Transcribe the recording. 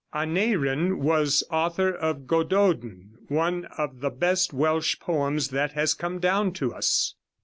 Aneurin was author of "Gododn," one of the best Welsh poems that has come down to us.